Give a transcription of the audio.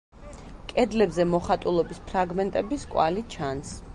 კედლებზე მოხატულობის ფრაგმენტების კვალი ჩანს.